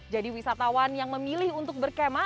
jadi wisatawan yang memilih untuk berkemah